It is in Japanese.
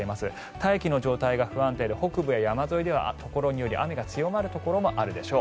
大気の状態が不安定で北部や山沿いではところにより雨が強まるところもあるでしょう。